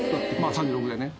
３６でね。